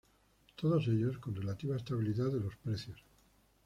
Todos ellos con relativa estabilidad de los precios.